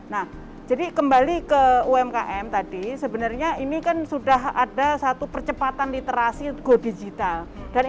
nah jadi kembali ke umkm tadi sebenarnya ini kan sudah ada satu percepatan literasi go digital dan